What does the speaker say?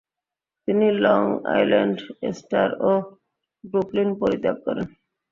তিনি Long Island star ও Brooklyn পরিত্যাগ করেন।